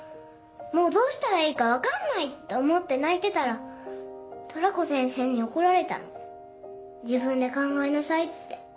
もうどうしたらいいか分かんないって思って泣いてたらトラコ先生に怒られたの自分で考えなさいって。